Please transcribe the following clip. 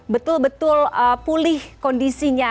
betul betul pulih kondisinya